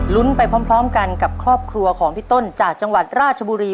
ไปพร้อมกันกับครอบครัวของพี่ต้นจากจังหวัดราชบุรี